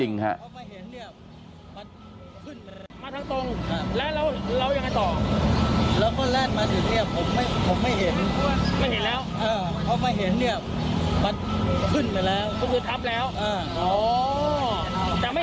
ไม่เห็นเขาเกิดอะไรกันเนี่ยเขาไม่มีสัญญาณอะไร